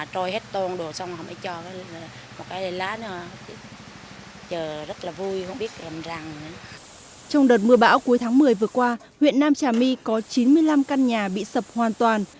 trong đợt mưa bão cuối tháng một mươi vừa qua huyện nam trà my có chín mươi năm căn nhà bị sập hoàn toàn